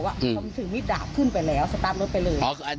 ผมถือมิดดาบขึ้นไปแล้วสตาร์ทรถไปเลย